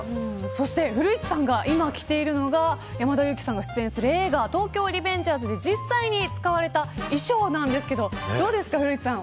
そして古市さんが今着ているのが山田裕貴さんが出演する映画東京リベンジャーズで実際に使われた衣装なんですけどどうですか古市さん